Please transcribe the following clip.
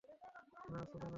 না, ছোঁবে না ওকে!